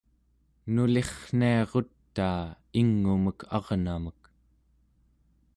nulirrniarutaa ing'umek arnamek